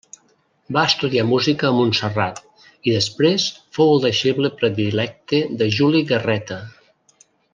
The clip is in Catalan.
Va estudiar música a Montserrat i després fou el deixeble predilecte de Juli Garreta.